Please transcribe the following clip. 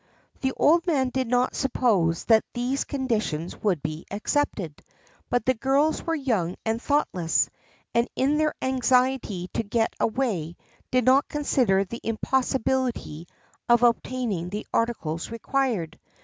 The old man did not suppose that these conditions would be accepted, but the girls were young and thoughtless, and in their anxiety to get away did not consider the impossibility of obtaining the articles required.